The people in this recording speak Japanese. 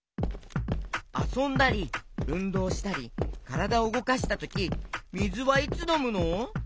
あそんだりうんどうしたりからだをうごかしたときみずはいつのむの？